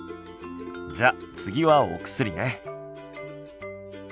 じゃあ次はお薬ね。